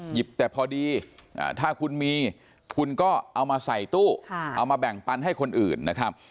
หยิบแต่พอดีถ้าคุณมีคุณก็เอามาใส่ตู้เอามาแบ่งปันให้คนอื่นนะครับ